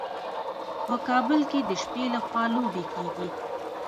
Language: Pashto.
په کابل کې د شپې لخوا لوبې کیږي.